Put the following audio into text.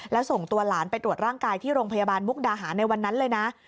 แล้วส่งตัวหลานไปตรวจร่างกายที่โรงพยาบาลมุกดาหารในวันนั้นเลยนะ